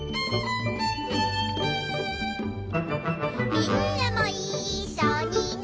「みんなもいっしょにね」